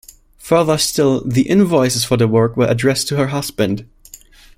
Further still, the invoices for the work were addressed to her husband.